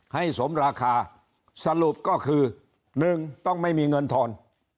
ให้สมราคาสรุปก็คือ๑ต้องไม่มีเงินทอน